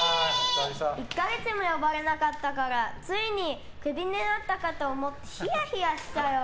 １か月も呼ばれなかったからついにクビになったかと思って冷や冷やしたよ！